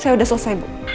saya sudah selesai bu